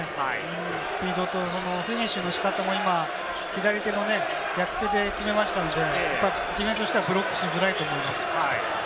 スピードとフィニッシュの仕方も今、左手の逆手で決めましたので、ディフェンスしたら、ブロックしづらいと思います。